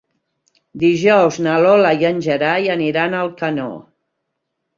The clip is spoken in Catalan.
Dijous na Lola i en Gerai aniran a Alcanó.